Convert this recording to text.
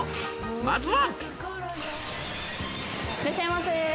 まずは。